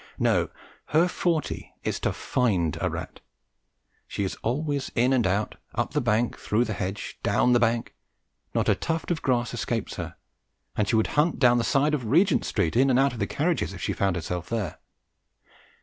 No, her forte is to find a rat. She is always in and out, up the bank, through the hedge, down the bank; not a tuft of grass escapes her, and she would hunt down each side of Regent Street and in and out of the carriages if she found herself there.